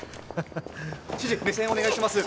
知事目線をお願いします。